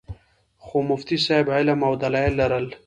خو مفتي صېب علم او دلائل لرل